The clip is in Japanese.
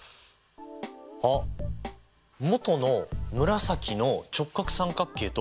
あっ元の紫の直角三角形と合同？